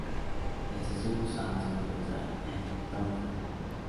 La Estación Busan se encuentra en Dong-gu.